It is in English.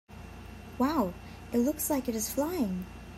Wow! It looks like it is flying!